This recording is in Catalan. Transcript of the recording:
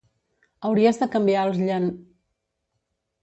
Hauries de canviar els llen